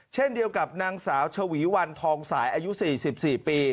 เช่นเดียวกับนางสาวชวีวันทองสายอายุ๔๔ปี